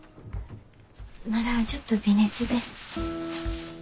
まだちょっと微熱で。